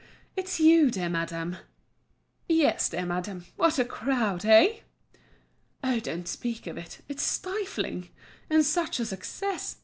it's you, dear madame?" "Yes, dear madame; what a crowd—eh?" "Oh! don't speak of it, it's stifling. And such a success!